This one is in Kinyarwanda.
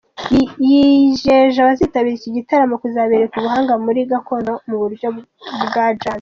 Yijeje abazitabira iki gitaramo kuzabereka ubuhanga muri gakondo mu buryohe bwa Jazz.